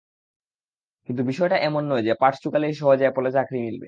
কিন্তু বিষয়টা এমন নয় যে পাঠ চুকালেই সহজে অ্যাপলে চাকরি মিলবে।